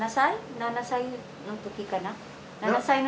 ７歳の時かな。